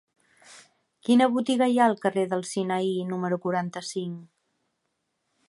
Quina botiga hi ha al carrer del Sinaí número quaranta-cinc?